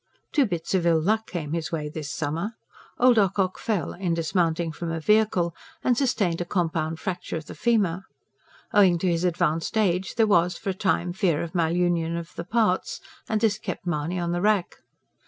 Two bits of ill luck came his way this summer. Old Ocock fell, in dismounting from a vehicle, and sustained a compound fracture of the femur. Owing to his advanced age there was for a time fear of malunion of the parts, and this kept Mahony on the rack.